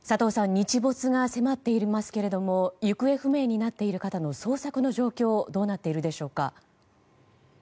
日没が迫っていますけども行方不明になっている方の捜索の状況どうなっているでしょうか。